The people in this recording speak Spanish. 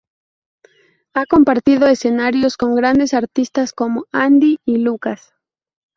Ha compartido escenarios con grandes artistas como Andy y Lucas.